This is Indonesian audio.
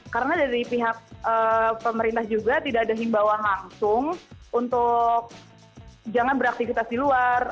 karena dari pihak pemerintah juga tidak ada himbawan langsung untuk jangan beraktivitas di luar